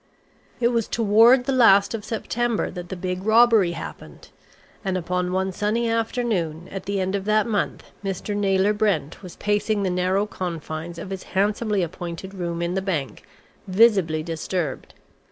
It was toward the last of September that the big robbery happened, and upon one sunny afternoon at the end of that month Mr. Naylor Brent was pacing the narrow confines of his handsomely appointed room in the bank, visibly disturbed.